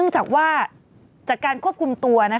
จากการควบคุมตัว